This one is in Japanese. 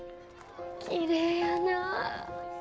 きれいやなあ。